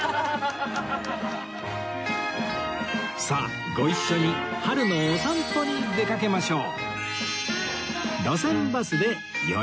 さあご一緒に春のお散歩に出かけましょう